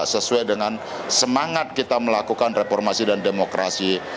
sesuai dengan semangat kita melakukan reformasi dan demokrasi